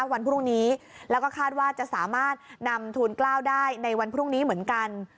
วันพรุ่งนี้แล้วก็คาดว่าจะสามารถนำทูลกล้าวได้ในวันพรุ่งนี้เหมือนกัน